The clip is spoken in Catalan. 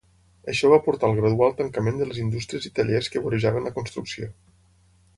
Això va portar al gradual tancament de les indústries i tallers que vorejaven la construcció.